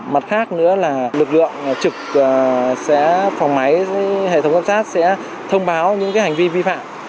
mặt khác nữa là lực lượng trực sẽ phòng máy hệ thống cấp sát sẽ thông báo những cái hành vi vi phạm